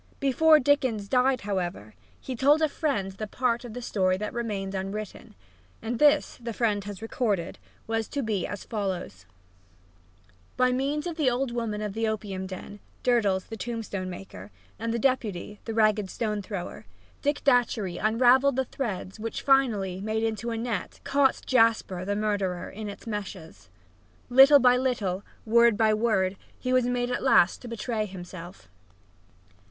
Before Dickens died, however, he told to a friend the part of the story that remained unwritten, and this, the friend has recorded, was to be as follows_: By means of the old woman of the opium den, Durdles, the tombstone maker, and The Deputy, the ragged stone thrower, Dick Datchery unraveled the threads which finally, made into a net, caught Jasper, the murderer, in its meshes. Little by little, word by word, he was made at last to betray himself.